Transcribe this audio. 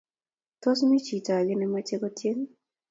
Tos, mi chito age nemache kotyen?